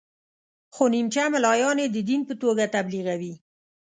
خو نیمچه ملایان یې د دین په توګه تبلیغوي.